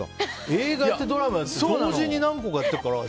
映画やって、ドラマやって同時に何個かやってるから。